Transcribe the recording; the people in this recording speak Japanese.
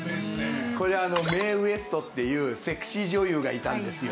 これメイ・ウェストっていうセクシー女優がいたんですよ。